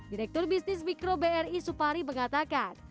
direktur bisnis mikro bri supari mengatakan